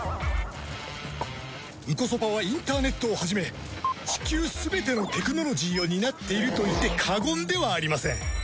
ンコソパはインターネットを始めチキュー全てのテクノロジーを担っていると言って過言ではありません。